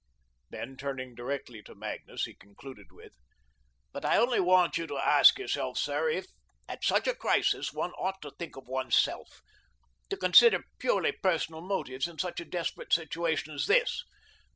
Then, turning directly to Magnus, he concluded with, "But I only want you to ask yourself, sir, if, at such a crisis, one ought to think of oneself, to consider purely personal motives in such a desperate situation as this?